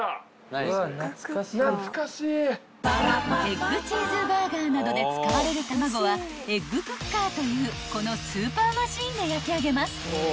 ［エッグチーズバーガーなどで使われる卵はエッグクッカーというこのスーパーマシンで焼き上げます］